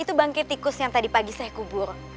itu bangkit tikus yang tadi pagi saya kubur